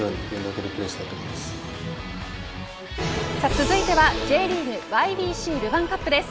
続いては、ＪリーグＹＢＣルヴァンカップです。